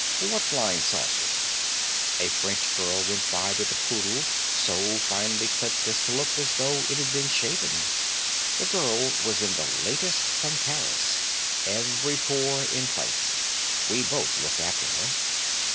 "What flying saucers?" A French girl went by with a poodle so finely clipped as to look as though it'd been shaven. The girl was in the latest from Paris. Every pore in place. We both looked after her.